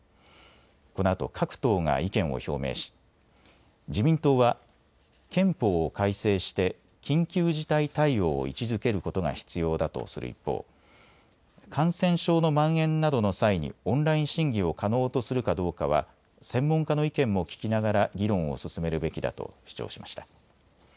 このあと各党が意見を表明し自民党は憲法を改正して緊急事態対応を位置づけることが必要だとする一方、感染症のまん延などの際にオンライン審議を可能とするかどうかは専門家の意見も聞きながら議論を進めるべきだと主張しました。